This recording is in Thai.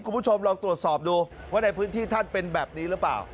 คุณผู้ชมลองตรวจสอบดูว่าในพื้นที่ท่านเป็นแบบนี้หรือเปล่า